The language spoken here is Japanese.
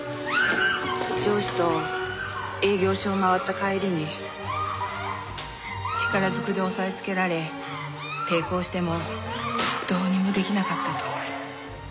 上司と営業所を回った帰りに力ずくで押さえつけられ抵抗してもどうにも出来なかったと。